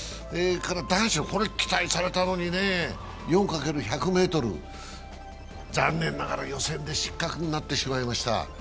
男子、これ期待されたのにね、４×１００ｍ、残念ながら予選で失格になってしまいました。